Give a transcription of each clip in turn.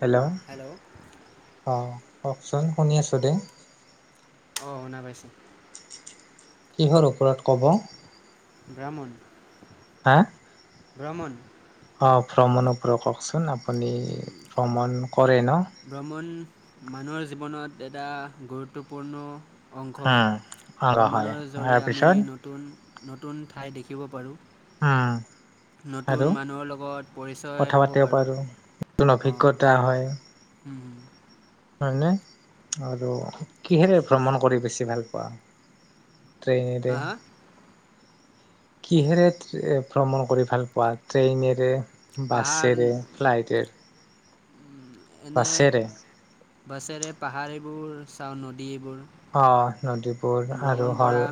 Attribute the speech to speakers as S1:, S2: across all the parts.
S1: Hello অ' কওঁকচোন শুনি আছোঁ দেই
S2: অঁ শুনা পাইছে
S1: কিহৰ ওপৰত ক'ব
S2: ব্ৰাহ্মণ
S1: হা
S2: ভ্ৰমণ
S1: অ ভ্ৰমণৰ পৰা কওঁকচোন আপুনি ভ্ৰমণ কৰে ন
S2: ভ্ৰমণ মানুহৰ জীৱনত দাদা গুৰুত্বপূৰ্ণ অংশ হয়,
S1: উম অ হয়
S2: ভ্ৰমণৰ জৰিয়ে আমি
S1: তাৰপিছত
S2: নতুন নতুন ঠাই দেখিব পাৰোঁ।
S1: উ।
S2: নতুন মানুহৰ লগত পৰিচয়
S1: কথা
S2: হ'ব
S1: পাতিব
S2: পাৰোঁ,
S1: পাৰো নতুন অভিজ্ঞতা
S2: অ'। হুম।
S1: হয় নে? আৰু কিহেৰে ভ্ৰমণ কৰি বেছি ভাল পোৱা? ট্ৰেইনেৰে।
S2: হা হা
S1: কিহেৰে ভ্ৰমণ কৰি ভাল পোৱা, ট্ৰেইনেৰে
S2: পাহাৰ
S1: বাছেৰে, ফ্লাইটেৰে
S2: এনে
S1: বাছেৰে?
S2: বাছেৰে পাহাৰ এইবোৰ চাওঁ নদী এইবোৰ।
S1: অ', নদীত বোৰ আৰু হ'ল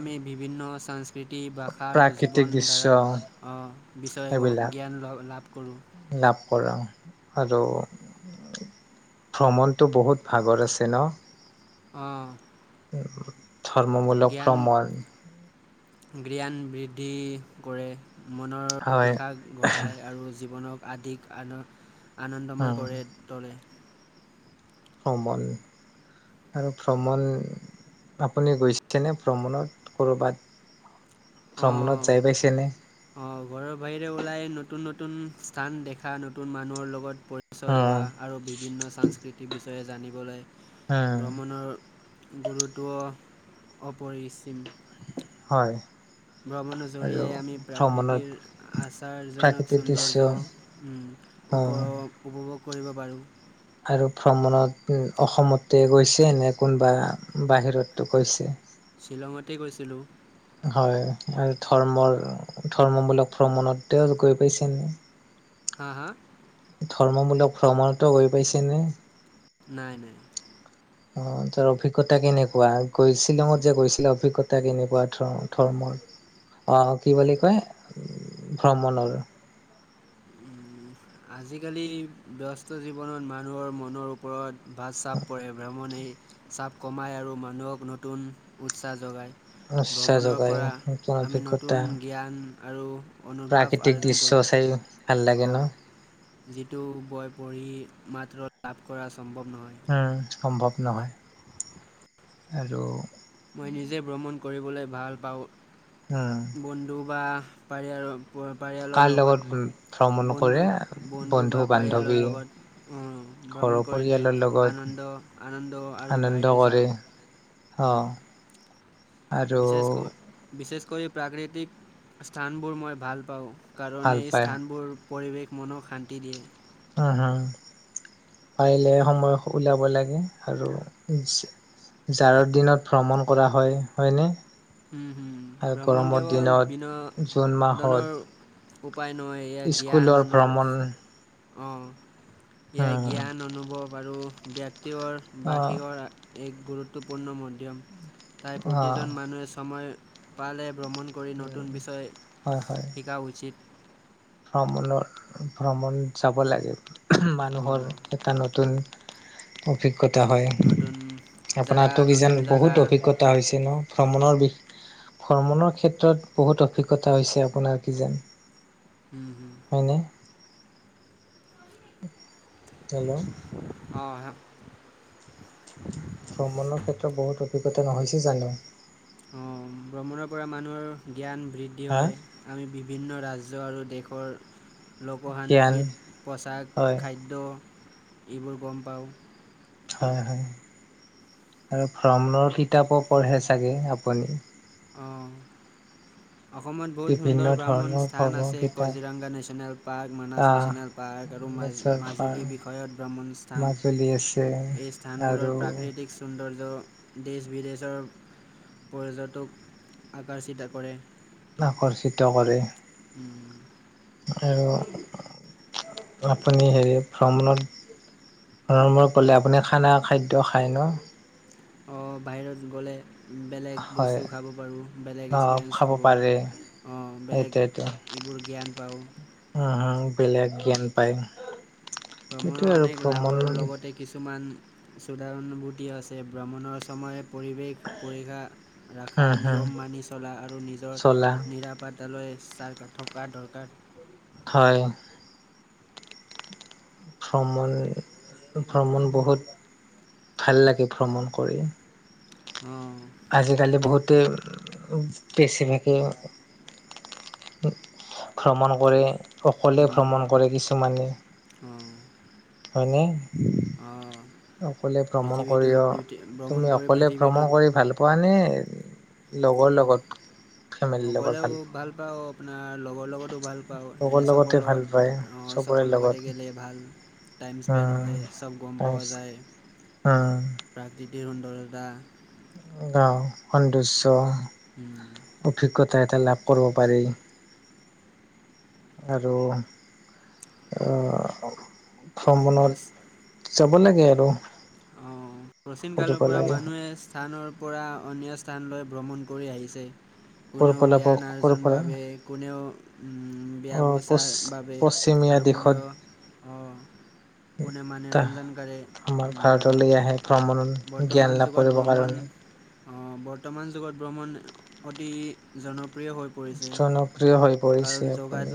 S2: সংস্ [unintelligible] কৃতি ভাষা আৰু
S1: প্ৰাকৃতিক দৃশ্য
S2: জীৱনধাৰাৰ, অ' বিষয়ে
S1: সেইবিলাক
S2: জ্ঞান লাভ কৰোঁ।
S1: লাভ কৰা আৰু ভ্ৰমণটো বহুত ভাগৰ আছে ন?
S2: অহ।
S1: ধৰ্মমূলক ভ্ৰমণ
S2: গ্ৰীঞান বৃদ্ধি কৰে। মনৰ
S1: হয়
S2: বিষাস ঘটায় আৰু জীৱনক আদিক আন আনন্দময়
S1: উম
S2: কৰে তলে।
S1: ভ্ৰমণ, আৰু ভ্ৰমণ আপুনি গৈছেনে ভ্ৰমণত ক'ৰবাত? ভ্ৰমণত
S2: অ',
S1: যাই পাইছেনে
S2: অ', ঘৰৰ বাহিৰে ওলাই নতুন নতুন নতুন স্থান দেখা, নতুন মানুহৰ লগত পৰিচয় হোৱা
S1: উম
S2: আৰু বিভিন্ন সাংস্কৃতিক তে জানিবলৈ
S1: উম
S2: ভ্ৰমণৰ গুৰুত্ব অপৰিসীম
S1: হয়।
S2: ভ্ৰমণৰ
S1: আৰু
S2: জৰিয়তে আমি
S1: ভ্ৰমণত
S2: প্ৰাকৃতিৰ আচাৰজনক
S1: প্ৰাকৃতিক দৃশ্য
S2: সৌন্দৰ্য
S1: অ
S2: উপ-উপভোগ কৰিব পাৰোঁ।
S1: আৰু ভ্ৰমণত উ অসমতে গৈছে নে কোনোবা বাহিৰতো গৈছে?
S2: শ্বিলঙতে গৈছিলোঁ।
S1: হয় আৰু ধৰ্মৰ, ধৰ্মবূলক ভ্ৰমণতেও গৈ পাইছেনে?
S2: হা, হা?
S1: ধৰ্মমূলক ভ্ৰমণটো গৈ পাইছেনে?
S2: নাই, নাই।
S1: অ', তাৰ অভিজ্ঞতা কেনেকুৱা? গৈ শ্বিলঙত যে গৈছিলে অভিজ্ঞতা কেনেকুৱা ধ-ধৰ্মৰ? অ', কি বুলি কয় ভ্ৰমণৰ?
S2: আজিকালি ব্যস্ত জীৱনত মানুহৰ মনৰ ওপৰত বা চাপ পৰে ভ্ৰমণেই চাপ কমায় আৰু মানুহক নতুন উৎসাহ যগায়।
S1: উৎসাহ যগায় নতুন
S2: নতুন
S1: অভিজ্ঞতা।
S2: জ্ঞান আৰু অনুভৱ
S1: প্ৰাকৃতিক
S2: আৰ্জন
S1: দৃশ্য
S2: কৰোঁ।
S1: চাইয়ো ভাল লাগে
S2: অ'
S1: ন?
S2: যিটো বয় পৰি মাত্ৰ লাভ কৰা সম্ভৱ নহয়।
S1: হম, সম্ভৱ নহয়। আৰু
S2: মই নিজে ভ্ৰমণ কৰিবলৈ ভাল পাওঁ।
S1: উম
S2: বন্ধু বা পাৰি আৰু প পাৰিয়ালৰ
S1: ভ্ৰমণ
S2: লগত,
S1: কৰে
S2: বন্ধু, বন্ধু বা পাৰিয়ালৰ লগত
S1: ঘৰৰ
S2: ভ্ৰমণ কৰিলে
S1: পৰিয়ালৰ লগত
S2: আনন্দ, আনন্দ আৰু
S1: আনন্দ
S2: বাহিৰে
S1: কৰে
S2: যাওঁ
S1: অ' আৰু
S2: বিশেষ ক, বিশেষ কৰি প্ৰাকৃতিক স্থানবোৰ মই ভাল পাওঁ। কাৰণ
S1: ভাল
S2: এই
S1: পায়
S2: স্থানবোৰ পৰিৱেশ মনক শান্তি দিয়ে
S1: উম-হু, পাৰিলে সময় ওলিয়াব লাগে, আৰু জা- জাৰৰ দিনত ভ্ৰমণ কৰা হয়, হয়নে?
S2: হু, হু,
S1: আৰু
S2: ভ্ৰমণ
S1: গৰমৰ
S2: কেৱল
S1: দিনত
S2: বিন
S1: জুন মাহত
S2: দনৰ উপায় নহয়, এয়া জ্ঞান
S1: স্কুলৰ
S2: অনুভৱ।
S1: ভ্ৰমণ
S2: অ' এয়াই
S1: উম,
S2: জ্ঞান অনুভৱ আৰু ব্যক তিৰ
S1: অ',
S2: বাহিৰৰ এক গুৰুত্বপূৰ্ণ মন। ব্য তাৰ
S1: অ',
S2: প্ৰতিজন মানুহে সময় পালে ভ্ৰমণ কৰি নতুন বিষয়
S1: হয়, হয়
S2: শিকা উচিত।
S1: ভ্ৰমণৰ ভ্ৰমণ যাব লাগে। মানুহৰ
S2: অহ,
S1: এটা নতুন অভিজ্ঞ জ্ঞতা হয়।
S2: নতুন জাগা
S1: আপোনাৰটো কি যান
S2: নতুন জাগা
S1: বহুত অভিজ্ঞতা হৈছে ন ভ্ৰমণৰ বিষ ভ্ৰমণৰ ক্ষেত্ৰত বহুত অভিজ্ঞতা হৈছে আপোনাৰ কি যান
S2: হুম হুম
S1: হেল্ল'
S2: অ হে
S1: ভ্ৰমণৰ ক্ষেত্ৰত বহুত অভিজ্ঞতা নহৈছে জানো?
S2: অ ভ্ৰমণৰ পৰা মানুহৰ জ্ঞান বৃদ্ধি
S1: হা
S2: হয়, আমি বিভিন্ন ৰাজ জ্য আৰু দেশৰ
S1: জ্ঞান
S2: লোকসান্তৃত, পোচাক,
S1: হয়,
S2: খাদ্য এইবোৰ গম পাওঁ।
S1: হয়, হয় আৰু ভ্ৰমণৰ কিতাপো পঢ়ে চাগে আপুনি।
S2: অ'। অসমত বহুত
S1: বিভিন্ন
S2: সুন্দৰ ভ্ৰামণ
S1: ধৰণৰ
S2: স্থান
S1: ভ্ৰমণৰ
S2: আছে
S1: কিতাপ
S2: কজিৰংগা নেশ্যনেল পাৰ্ক, মানাস
S1: আহ
S2: নেশ্যনেল পাৰ্ক আৰু
S1: নেচাৰ পাৰ্ক
S2: মাজুলী বিষয়ত ভ্ৰমণ স্থান,
S1: মাজুলী আছে
S2: এই
S1: আৰু
S2: স্থানবোৰত প্ৰাকৃতিক সৌন্দৰ্য দেশ বিদেশৰ পৰ্যটক আকাৰ চিতা কৰে।
S1: আকৰ্ষিত কৰে।
S2: উম, উম।
S1: আৰু আপুনি হেৰি ভ্ৰমণত ভ্ৰমনত গ'লে আপুনি খানাৰ খাদ্য খায় ন'?
S2: অহ, বাহিৰত গ'লে। বেলেগ
S1: হয়।
S2: বস্তু খাব পাৰোঁ, বেলেগ
S1: অ'
S2: এক্সপিৰিয়েঞ্চ
S1: খাব
S2: হ'ব পাৰোঁ
S1: পাৰে
S2: অ', বেলেগ
S1: সেইটোৱেতো।
S2: এইবোৰ জ্ঞান পাওঁ।
S1: নাপায়।
S2: ভ্ৰমণৰ অনেক লাভৰ লগতে কিছুমান সুধাৰনভূতি আছে ভ্ৰমণৰ সময়ত পৰিৱেশ পৰিক্ষা ৰাখা
S1: হম হম
S2: নিয়ম মানি চলা আৰু নিজৰ
S1: চলা
S2: নিৰাপাত্তালৈ চাৰ [unintelligible] দৰকাৰ।
S1: হয়। ভ্ৰমণ, ভ্ৰমণ বহুত ভাল লাগে ভ্ৰমণ কৰি।
S2: উম।
S1: আজিকালি বহুতে বেছিভাগে ভ্ৰমণ কৰে। অকলে ভ্ৰমণ কৰে কিছুমানে
S2: অঁ
S1: হয়নে
S2: অঁ
S1: অকলে ভ্ৰমণ
S2: পৃথিৱীটো
S1: কৰি অ
S2: ভ্ৰমণ
S1: তুমি
S2: কৰি
S1: অকলে
S2: পৃথিৱীটোক
S1: ভ্ৰমণ কৰি ভাল পোৱানে নে লগৰ লগত ফেমেলিৰ লগত
S2: অকলেও
S1: ভাল পোৱা
S2: পাওঁ আপোনাৰ লগৰ লগতো ভাল পাওঁ
S1: লগৰ
S2: এনে চবৰ
S1: লগতে ভাল পায়
S2: লগত
S1: চবৰে
S2: চবৰ
S1: লগত
S2: লগতে গেলে ভাল টাইম স্পেণ্ড
S1: উম
S2: হয় চব গম পোৱা যায়
S1: তাৰপিছত
S2: প্ৰাকৃতি ধীৰণ দৰ দা [inaudible]
S1: গাঁও সন্দৰ্য।
S2: [unintelligible]
S1: সহায়তা লাভ কৰিব পাৰি আৰু অহ। [inaudible] খ্ৰনত। [unintelligible] যাব লাগে আৰু।
S2: অঁ। প্ৰাচীন
S1: কৰিব
S2: কালৰ পৰা
S1: লাগে
S2: মানুহে স্থানৰ পৰা অন্য স্থানলৈ ভ্ৰমণ কৰি আহিছে
S1: কৰ
S2: কোনেও
S1: পৰা
S2: জ্ঞান
S1: কৰ
S2: আৰ্জননৰ
S1: পৰা
S2: বাবে কোনেও বিয়া
S1: আহ পচ
S2: বচাৰ বাবে
S1: পশ্চিমীয়া
S2: আৰু
S1: দিশত
S2: কোনেও কোনে মনোৰঞ্জনকাৰী
S1: আমাৰ ভাৰতলৈ আহে ভ্ৰমণ জ্ঞান
S2: বৰ্তমান
S1: লাভ
S2: যুগত
S1: কৰিবৰ
S2: ভ্ৰমণ
S1: কাৰণে
S2: বৰ্তমান যুগত ভ্ৰমণ, অতি জন
S1: জনপ্ৰিয় হৈ পৰিছে আপুনি,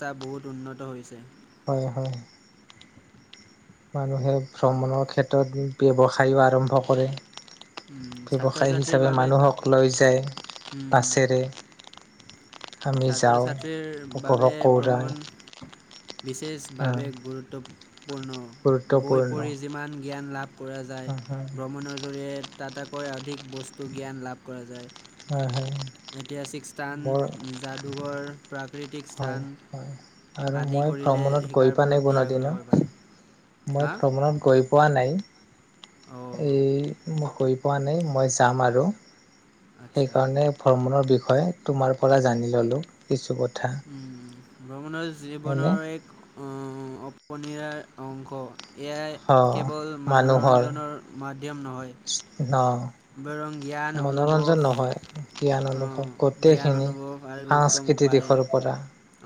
S2: তা বহুত উন্নত হৈছে।
S1: হয় হয়। মানুহে ভ্ৰমণৰ ক্ষেত্ৰত ব্যৱসায়ো আৰম্ভ কৰে।
S2: উম, ছাত্ৰ
S1: ব্যৱসায়
S2: ছাত্ৰীৰ
S1: হিচাপে
S2: বাবে
S1: মানুহক লৈ যায়
S2: উম,
S1: বাছেৰে। আমি
S2: ছাত্ৰ
S1: যাওঁ
S2: ছাত্ৰীৰ বাবে
S1: উপভোগ কৰোঁ
S2: ভ্ৰমণ বিশেষভাৱে গুৰুত্বপূৰ্ণ, সম্পূৰ্ণ বৈ
S1: গুৰুত্বপূৰ্ণ
S2: পঢ়ি যিমান জ্ঞান লাভ কৰা যায়
S1: হয়
S2: ভ্ৰমণৰ জৰিয়, তাটেকৈ অধিক বস্তু জ্ঞান লাভ কৰা যায়।
S1: হয় হয়
S2: ঐতিহাসিক স্থান,
S1: মোৰ,
S2: যাদুঘৰ প্ৰাকৃতিক
S1: হয়
S2: স্থান
S1: হয় আৰু
S2: আদি
S1: মই
S2: কৰিলে
S1: ভ্ৰমণত গৈ
S2: শিকাৰ
S1: পোৱা নাই
S2: প্ৰতি
S1: কোনোদিনো
S2: আগ্ৰহ বাঢ়ে হা,
S1: এ মই ক পোৱা নাই মই যাম আৰু সেইকাৰণে ভ্ৰমণৰ বি বিষয়ে তোমাৰ পৰা জানি ল'লো কিছু ক
S2: উম। ভ্ৰমণৰ
S1: হয়নে
S2: জীৱনৰ এক অ', [unintelligible] অংশ এয়াই
S1: অ
S2: কেৱল
S1: মানুহৰ
S2: মানোৰঞ্জনৰ মাধ্যম নহয়।
S1: ন
S2: বৰং জ্ঞান অনুভৱ
S1: মনোৰঞ্জন নহয় জ্ঞান
S2: অ'
S1: অনুভৱ
S2: জ্ঞান
S1: গোটেইখিনি
S2: অনুভৱ আৰু উত্তম
S1: সাংস্কৃতিক
S2: উপায়
S1: দিশৰ পৰা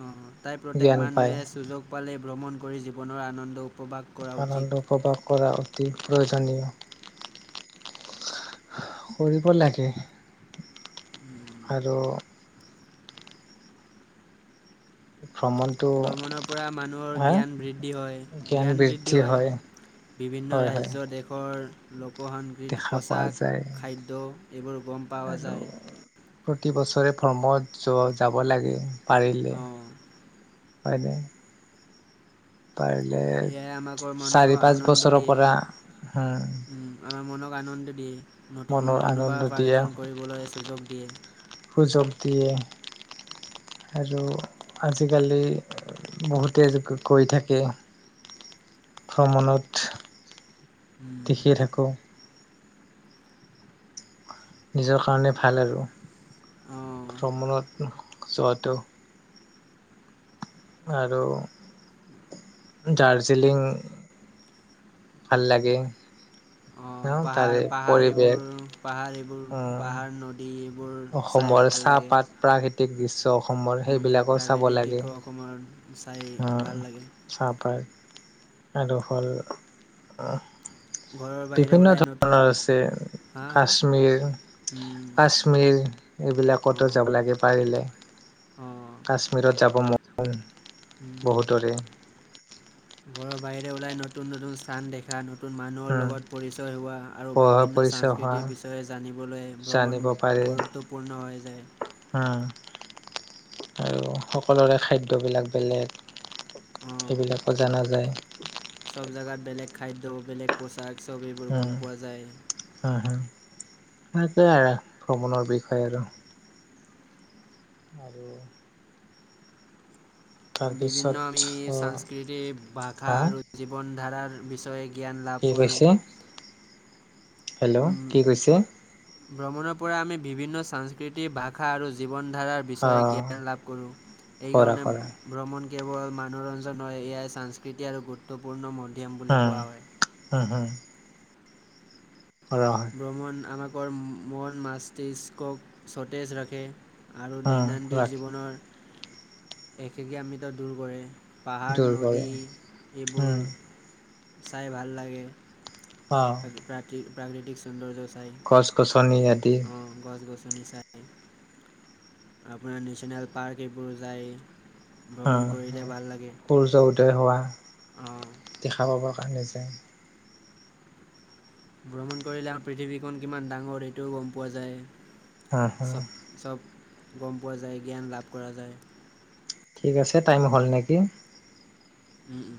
S2: আহ তাই প্ৰত্যেক
S1: জ্ঞান পায়
S2: মানুহে সুযোগ পালে ভ্ৰম ন কৰি জীৱনৰ আনন্দ উপভোগ কৰা উচিত
S1: আনন্দ প্ৰকাশ কৰা অতি প্ৰয়োজনীয়, কৰিব লাগে। আৰু ভ্ৰমণটো
S2: ভ্ৰমণৰ পৰা মানুহৰ
S1: হা
S2: জ্ঞান বৃদ্ধি হয় জ্ঞান বৃদ্ধি হয়। বিভিন্ন
S1: হয় হয়
S2: ৰাজ্য দেশৰ লোকসস্কৃতি
S1: দেখা পোৱা
S2: পোচাক
S1: যায়
S2: খাদ্য এইবোৰ গম পোৱা
S1: আৰু
S2: যায়
S1: প্ৰতি বছৰে ভ্ৰমত য যাব লাগে। পাৰিলে
S2: অ
S1: হয় নে? পাৰিলে
S2: এয়াই আমাকৰ মনক
S1: চাৰি পাঁচ
S2: আনন্দ
S1: বছৰৰ
S2: দিয়ে
S1: পৰা,
S2: উম আমাৰ
S1: ও'
S2: মনক আনন্দ দিয়ে। নতুন অনুভব
S1: দিয়ে
S2: আয়োজন কৰিবলৈ সুযোগ দিয়ে।
S1: সুযোগ দিয়ে, আৰু আজিকালি বহুতে গৈ থাকে, ভ্ৰমণত। দেখি থাকোঁ নিজৰ কাৰণে ভাল আৰু।
S2: উম অ
S1: ভ্ৰমণত যোৱাটো। আৰু দাৰ্জিলিং ভাল লাগে। ন
S2: অ'
S1: তাৰে
S2: পাহাৰ-পাহাৰ
S1: পৰিৱেশ
S2: এইবোৰ, পাহাৰ এইবোৰ,
S1: উম
S2: পাহাৰ নদী এইবোৰ চাই
S1: অসমৰ
S2: ভাল লাগে
S1: চাহপাত, প্ৰাকৃতিক দৃশ্য অসমৰ,
S2: উম,
S1: সেইবিলাকো চাব
S2: প্ৰাকৃতিক
S1: লাগে।
S2: দৃশ্য অসমৰ চাই ভাল
S1: উম,
S2: লাগে
S1: চাহপাত। আৰু হ'ল
S2: ঘৰৰ বাহিৰে
S1: বিভিন্ন
S2: ওলাই নতুন
S1: ধৰণৰ আছে,
S2: হা হা
S1: কাশ্মীৰ, কাশ্মীৰ এইবিলাকতো যাব লাগে পাৰিলে।
S2: অ'
S1: কাশ্মীৰত যাব মন বহুতৰে।
S2: ঘৰৰ বাহিৰে ওলাই নতুন-নতুন স্থান দেখা, নত তুন মানুহৰ
S1: উম
S2: লগত পৰিচয় হোৱা, আৰু
S1: পঢ়া
S2: বিভিন্ন
S1: পৰিচয় হোৱা
S2: সাংস্কৃতি বিষয়ে জানিবলৈ ভ্ৰমণ
S1: জানিব পাৰি
S2: গুৰুত্বপূৰ্ণ হৈ যায়।
S1: উম আৰু সকলোৰে খাদ্যবিলাক বেলেগ
S2: অঁ
S1: সেইবিলাকো জনা যায়।
S2: চব জেগাত বেলেগ খাদ্য বেলেগ, পোছাক চব এইবোৰ
S1: উম
S2: গ'ম পোৱা যায়।
S1: সনেকেই আৰু ভ্ৰমণৰ বিষয়ে আৰু। আৰু।
S2: বিভিন্ন
S1: তাৰপিছত
S2: আমি
S1: অ
S2: সংস্কৃতি ভাষা
S1: হা
S2: আৰু জীৱন ধাৰাৰ। বিষয়ে। জ্ঞান লাভ
S1: কি
S2: কৰোঁ।
S1: কৈছে হেল্ল' কি কৈছে?
S2: ভ্ৰমণৰ পৰা আমি বিভিন্ন সংস্কৃতি ভাষা আৰু জীৱ। জীৱন ধাৰাৰ
S1: অ
S2: বিষয়ে জ্ঞান লাভ কৰোঁ।
S1: কৰা
S2: এইকাৰণে
S1: কৰা
S2: ভ্ৰমণ। কেৱল মনোৰঞ্জন হয় এয়াইাসকৃতি আৰু গুৰুত্বপূৰ্ণ মন।
S1: হ, হ, হ।
S2: ভ্ৰমণ আমাক। মন মস্তিষ্কক সতেজ ৰাখে। আৰু
S1: উম
S2: দৈনন্দিন
S1: ৰাখি
S2: জীৱনৰ। একেগে আমিত দূৰ কৰে। পাহাৰ
S1: দূৰ কৰে
S2: নদী এইবোৰ।
S1: উম
S2: চাই ভাল লাগে।
S1: অ
S2: প্ৰতি প্ৰাকৃতিক সৌন্দৰ্য চাই
S1: গছ গছনি আদি
S2: চনি চাৰ আপোনাৰ নেশচনেল পাৰ্ক এইবোৰ যায়,
S1: হ সূৰ্য উদয় হোৱা
S2: অঁ,
S1: দেখা পাবৰ কাৰণে ত
S2: ভ্ৰমণ কৰিলে পৃথিৱীখন কিমান ডাঙৰ এইটোও গম পোৱা যায়
S1: হা হা
S2: স চ গম পোৱা যায় জ্ঞান লাভ কৰা যায়
S1: ঠিক আছে টাইম হ'ল নেকি?
S2: উম উম।